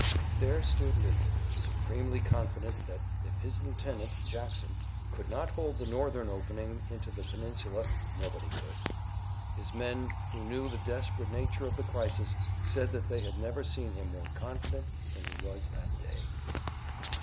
There stood Lee, supremely confident that if his lieutenant, Jackson, could not hold the Northern opening into the peninsula nobody could. His men, who knew the desperate nature of the crisis, said that they had never seen him more confident than he was that day.